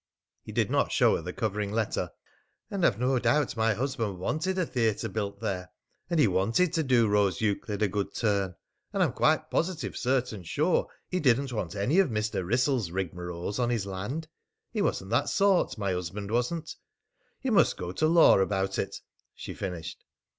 He did not show her the covering letter. "And I've no doubt my husband wanted a theatre built there, and he wanted to do Rose Euclid a good turn. And I'm quite positive certain sure that he didn't want any of Mr. Wrissell's rigmaroles on his land. He wasn't that sort, my husband wasn't.... You must go to law about it," she finished.